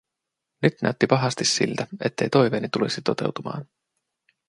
Nyt näytti pahasti siltä, ettei toiveeni tulisi toteutumaan.